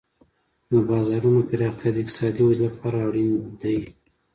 د بازارونو پراختیا د اقتصادي ودې لپاره اړین دی.